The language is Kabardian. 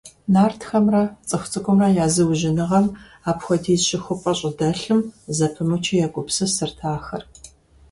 Нартхэмрэ цӀыху цӀыкӀумрэ я зыужьыныгъэм апхуэдиз щыхупӀэ щӀыдэлъым зэпымычу егупсысырт ахэр.